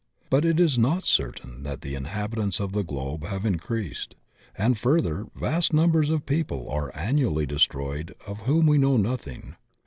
But it is not certain that the inhabitants of the globe have increased, and, further, vast niunbers of people are annually destroyed of whom we know nothing.